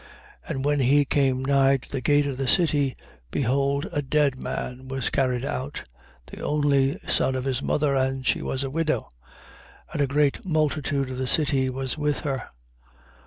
7:12. And when he came nigh to the gate of the city, behold a dead man was carried out, the only son of his mother: and she was a widow. And a great multitude of the city was with her.